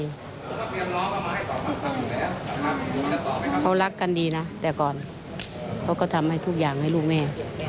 เขารักกันดีนะแต่ก่อนเขาก็ทำให้ทุกอย่างให้ลูกแม่